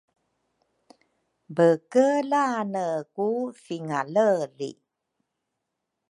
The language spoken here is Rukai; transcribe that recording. bekelane ku thingale li